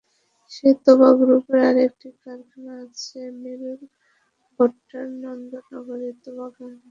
সেই তোবা গ্রুপের আরেকটি কারখানা আছে মেরুল বাড্ডার আনন্দনগরে, তোবা গার্মেন্টস।